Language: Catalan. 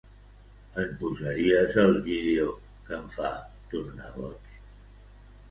En posaries el vídeo que em fa tornar boig?